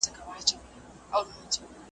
د قاتل تر شا د غره په څېر ولاړ وي .